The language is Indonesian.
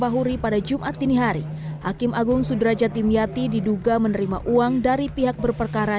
bahuri pada jumat dini hari hakim agung sudrajat timyati diduga menerima uang dari pihak berperkara